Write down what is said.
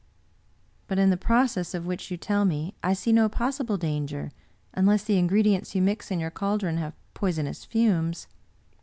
" But in the process of which you tell me I see no pos sible danger unless the ingredients you mix in your caldron have poisonous fumes."